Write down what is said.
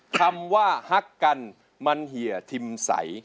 คำว่าฮักกันมันเหี่ยทิมใส